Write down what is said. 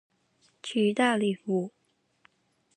去大理不